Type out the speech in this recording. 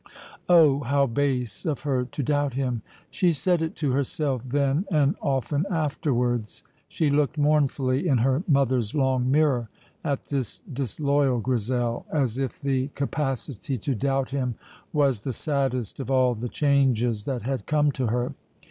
Oh, how base of her to doubt him! She said it to herself then and often afterwards. She looked mournfully in her mother's long mirror at this disloyal Grizel, as if the capacity to doubt him was the saddest of all the changes that had come to her.